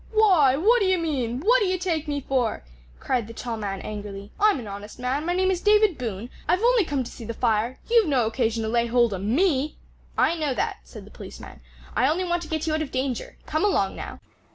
"Why, what d'ye mean? what d'ye take me for?" cried the tall man angrily; "I'm an honest man; my name is David Boone; I've only come to see the fire; you've no occasion to lay hold o' me!" "I know that," said the policeman; "I only want to get you out of danger. Come along now."